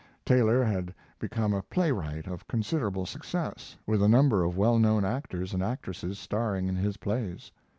Taylor had become a playwright of considerable success, with a number of well known actors and actresses starring in his plays.